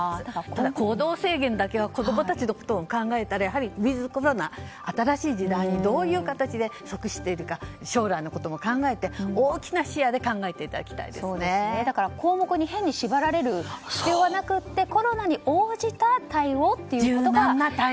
ただ行動制限だけは子供たちのことを考えたらウィズコロナ、新しい時代にどういう形で、適しているか将来のことも考えて大きな視野で項目に縛られる必要はなくてコロナに応じた対応ということが。